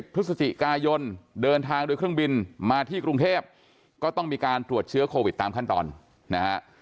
พฤศจิกายนเดินทางโดยเครื่องบินมาที่กรุงเทพก็ต้องมีการตรวจเชื้อโควิดตามขั้นตอนนะฮะ